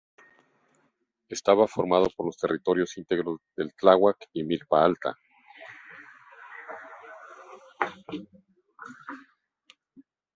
Estaba formado por los territorios íntegros del Tláhuac y Milpa Alta.